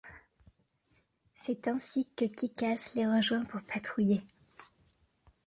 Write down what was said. C'est ainsi que Kick-Ass les rejoint pour patrouiller.